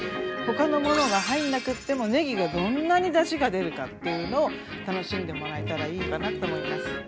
他のものが入んなくってもねぎがどんなにだしが出るかっていうのを楽しんでもらえたらいいかなと思います。